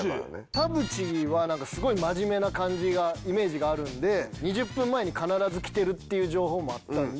田渕はなんかすごい真面目なイメージがあるんで２０分前に必ず来てるっていう情報もあったんで。